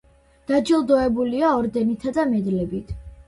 დაჯილდოებულია ორდენითა და მედლებით.